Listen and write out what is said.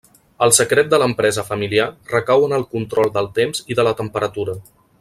El secret de l'empresa familiar, recau en el control del temps i de la temperatura.